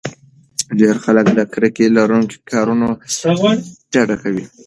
ډېری خلک له کرکې لرونکو کارونو ډډه کوي.